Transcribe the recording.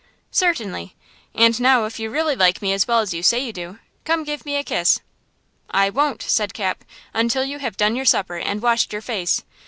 "Certainly! And now if you really like me as well as you say you do, come give me a kiss." "I won't!" said Cap, "until you have done your supper and washed your face!